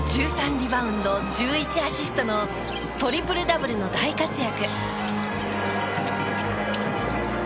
リバウンド１１アシストのトリプル・ダブルの大活躍。